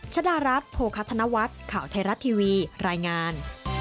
ชดารัฐโภคธนวัฒน์ข่าวไทยรัฐทีวีรายงาน